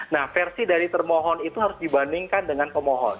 nah versi dari termohon itu harus dibandingkan dengan pemohon